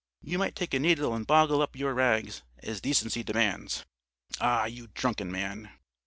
You might take a needle and boggle up your rags, as decency demands. Ah, you drunken man!'